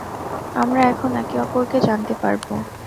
আমরা এখন একে-অপরকে জানতে পারব।